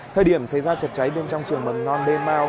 thời điểm xảy ra chật cháy bên trong trường mầm non demao